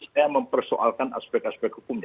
saya mempersoalkan aspek aspek hukumnya